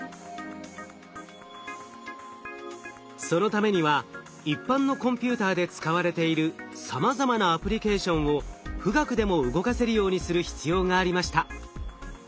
そのためには一般のコンピューターで使われているさまざまなアプリケーションを富岳でも動かせるようにする必要がありました。